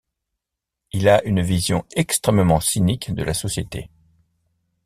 Il a une vision extrêmement cynique de la société.